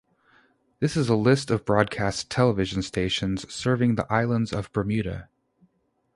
This is a list of broadcast television stations serving the islands of Bermuda.